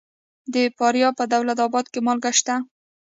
د فاریاب په دولت اباد کې مالګه شته.